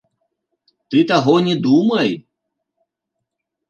Ты таго не думай!